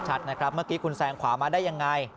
ชัดนะครับเมื่อกี้คุณแสงขวามาได้ยังไง